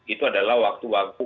itu adalah waktu waktu